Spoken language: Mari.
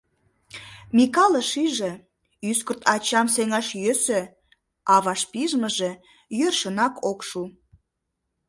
Микале шиже: ӱскырт ачам сеҥаш йӧсӧ, а вашпижмыже йӧршынак ок шу.